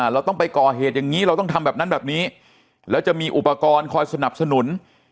เราต้องไปก่อเหตุอย่างนี้เราต้องทำแบบนั้นแบบนี้แล้วจะมีอุปกรณ์คอยสนับสนุน